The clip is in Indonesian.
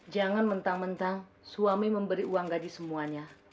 jangan mentang mentang suami memberi uang gaji semuanya